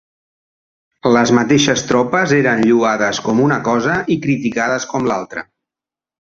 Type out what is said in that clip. Les mateixes tropes eren lloades com una cosa i criticades com l'altra.